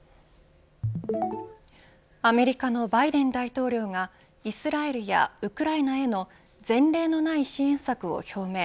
アメリカのバイデン大統領がイスラエルやウクライナへの前例のない支援策を表明。